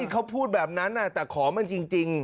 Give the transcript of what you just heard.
เขาพูดแบบนั้นแต่ขอมันจริง